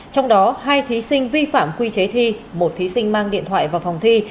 trong đó hai thí sinh vi phạm quy chế thi một thí sinh mang điện thoại vào phòng thi